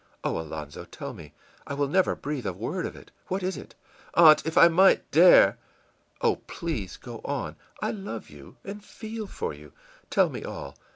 î ìOh, Alonzo, tell me! I will never breathe a word of it. What is it?î ìAunt, if I might dare î ìOh, please go on! I love you, and feel for you. Tell me all.